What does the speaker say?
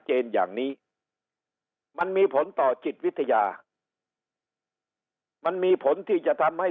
อย่างนี้มันมีผลต่อจิตวิทยามันมีผลที่จะทำให้